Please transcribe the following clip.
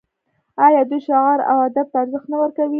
آیا دوی شعر او ادب ته ارزښت نه ورکوي؟